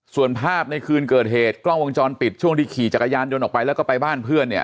ส่วนภาพในคืนเกิดเหตุกล้องวงจรปิดช่วงที่ขี่จักรยานยนต์ออกไปแล้วก็ไปบ้านเพื่อนเนี่ย